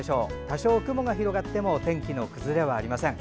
多少、雲が広がっても天気の崩れはありません。